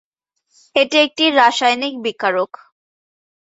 এটি একটি রাসায়নিক বিকারক।